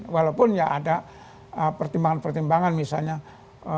walaupun ya ada pertimbangan pertimbangan misalnya jokowi ke ntb